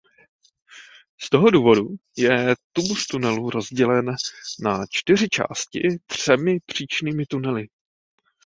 Z tohoto důvodu je tubus tunelu rozdělen na čtyři části třemi příčnými tunely.